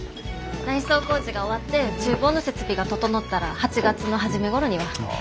内装工事が終わって厨房の設備が整ったら８月の初め頃には。